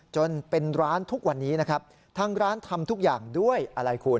จนเป็นร้านทุกวันนี้นะครับทางร้านทำทุกอย่างด้วยอะไรคุณ